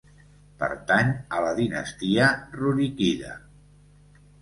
Pertany a la dinastia ruríkida.